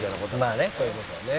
「まあねそういう事だね」